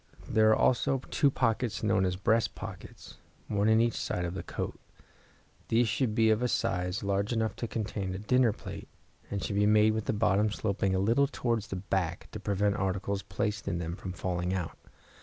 There are also two pockets known as breast pockets, one in each side of the coat. These should be of a size large enough to contain a dinner plate, and should be made with the bottom sloping a little towards the back, to prevent articles placed in them from falling out.